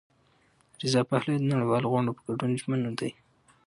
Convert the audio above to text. رضا پهلوي د نړیوالو غونډو په ګډون ژمن دی.